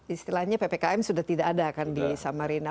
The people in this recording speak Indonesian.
istilahnya ppkm sudah tidak ada kan di samarinda